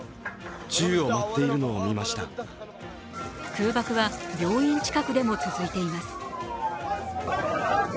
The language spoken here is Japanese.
空爆は病院近くでも続いています。